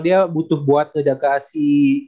dia butuh buat ngedagasi